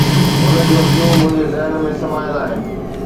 هن جون اکيون منهنجي ذهن ۾ سمايل آهن